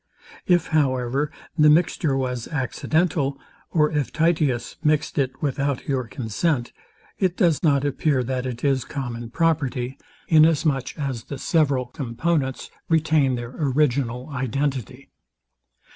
If, however, the mixture was accidental, or if Titius mixed it without your consent, it does not appear that it is common property, Inasmuch as the several components retain their original identity.